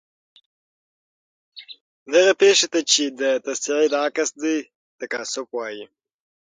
دغې پیښې ته چې د تصعید عکس دی تکاثف وايي.